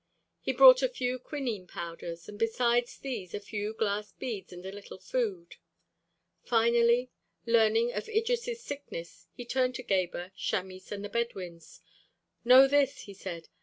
He brought a few quinine powders, and besides these a few glass beads and a little food. Finally, learning of Idris' sickness, he turned to Gebhr, Chamis, and the Bedouins. "Know this," he said.